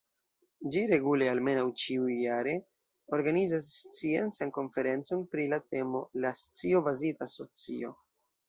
Ĝi regule, almenaŭ ĉiujare, organizas sciencan konferencon pri la temo "la scio-bazita socio".